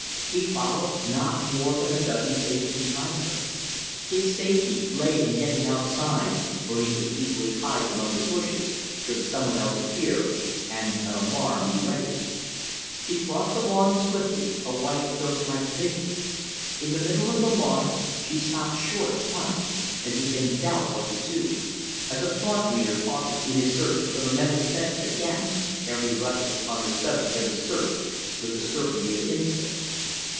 He followed, not more than a dozen paces behind her. His safety lay in getting outside, where he could easily hide among the bushes, should someone else appear and an alarm be raised. She crossed the lawn swiftly, a white, ghostlike figure. In the middle of the lawn she stopped short once as if in doubt what to do as a thought reader pauses in his search for the mental scent again, ere he rushes upon the object of his search with the certainty of instinct.